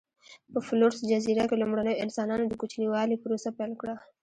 په فلورس جزیره کې لومړنیو انسانانو د کوچنیوالي پروسه پیل کړه.